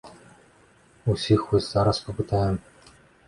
Усіх вось зараз папытаем.